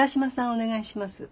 お願いします。